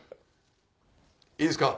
いいですか？